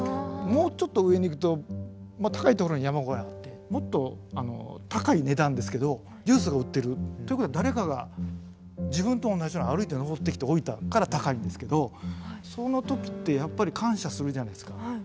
もうちょっと上に行くと高いところに山小屋あってもっと高い値段ですけどジュースが売ってる。ということは誰かが自分と同じように歩いて登ってきて置いたから高いんですけどそのときってやっぱり感謝するじゃないですか。